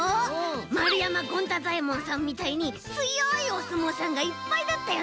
丸山権太左衛門さんみたいにつよいおすもうさんがいっぱいだったよね。